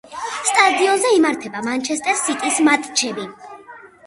სტადიონზე იმართება მანჩესტერ სიტის მატჩები.